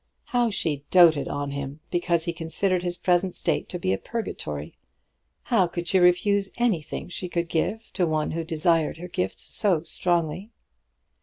How she doted on him because he considered his present state to be a purgatory! How could she refuse anything she could give to one who desired her gifts so strongly?